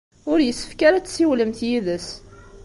Ur yessefk ara ad tessiwlemt yid-s.